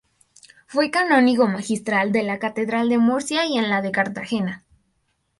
Fue canónigo magistral de la catedral de Murcia y en la de Cartagena.